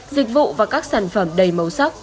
dịch vụ và các sản phẩm đầy màu sắc